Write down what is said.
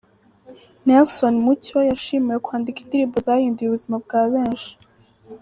Nelson Mucyo yashimiwe kwandika indirimbo zahinduye ubuzima bwa benshi.